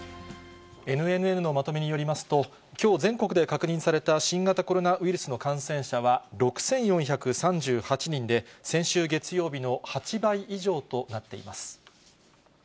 ＮＮＮのまとめによりますと、きょう全国で確認された新型コロナウイルスの感染者は６４３８人で、先週月曜日の８倍以上となっています。